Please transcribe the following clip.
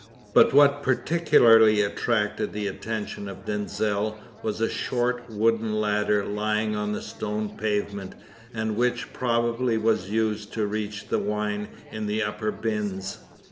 But what particularly attracted the attention of Denzil was a short wooden ladder lying on the stone pavement, and which probably was used to reach the wine in the upper bins.